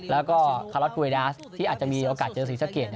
แล้วก็คาลอทเวดาสที่อาจจะมีโอกาสเจอศรีสะเกด